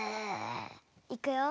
いくよ。